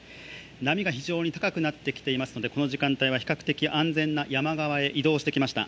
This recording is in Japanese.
波が非常に高くなってきていますのでこの時間帯は比較的安全な山側へ移動してきました。